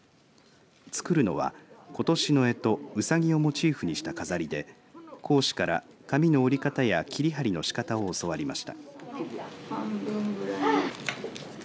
作るのは、ことしのえとうさぎをモチーフにした飾りで講師から紙の折り方や切り貼りのしかたを教わりました。